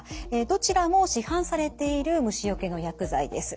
どちらも市販されている虫よけの薬剤です。